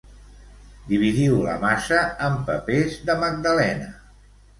Dividiu la massa en papers de magdalena.